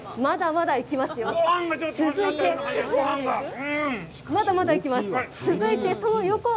まだまだいきますよ。